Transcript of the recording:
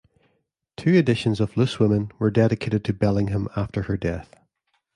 Two editions of "Loose Women" were dedicated to Bellingham after her death.